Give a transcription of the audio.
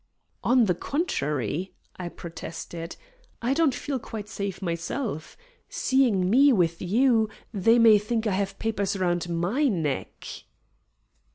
"On the contrary," I protested, "I don't feel quite safe myself. Seeing me with you they may think I have papers around MY neck."